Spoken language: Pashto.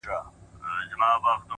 o د سترگو د ملا خاوند دی،